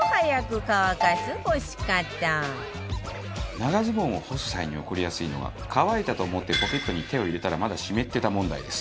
長ズボンを干す際に起こりやすいのが乾いたと思ってポケットに手を入れたらまだ湿ってた問題です。